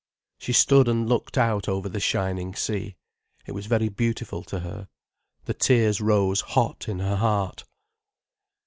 She stood and looked out over the shining sea. It was very beautiful to her. The tears rose hot in her heart.